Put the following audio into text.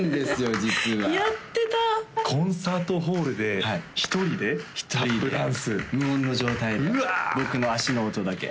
実はやってたコンサートホールで１人でタップダンス無音の状態で僕の足の音だけうわ